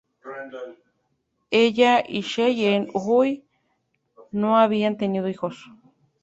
Ella y Shelley Hull no habían tenido hijos.